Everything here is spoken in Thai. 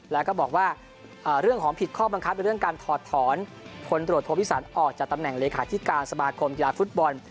แล้วก็บอกว่าเรื่องของผิดข้อบังคับในเรื่องการถอดถอนคนตรวจโทพิสันออกจากตำแหน่งเลขาธิการสมาคมกีฬาฟุตบอล